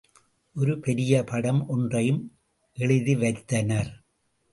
ஒரு பெரிய படம் ஒன்றையும் எழுதிவைத்தனர்.